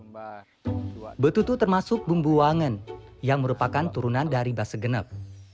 petutu termasuk bumbu wangen yang merupakan turunan dari basa genep